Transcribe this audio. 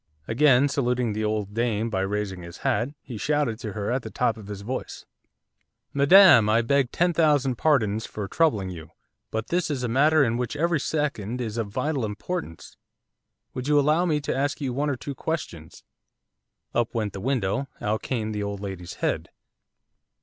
Again saluting the old dame by raising his hat he shouted to her at the top of his voice. 'Madam, I beg ten thousand pardons for troubling you, but this is a matter in which every second is of vital importance, would you allow me to ask you one or two questions?' Up went the window; out came the old lady's head.